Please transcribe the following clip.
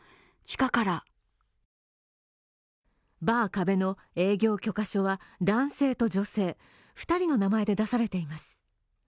バー「壁」の営業許可書は男性と女性２人の名前で出されています。